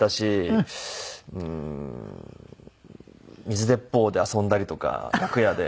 水鉄砲で遊んだりとか楽屋で。